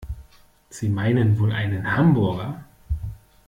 Sie meinen wohl einen Hamburger?